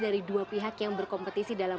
dari dua pihak yang berkompetisi dalam